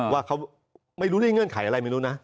ว่าเขาไม่รู้ด้วยเงื่อนไขอะไรไม่รู้นะ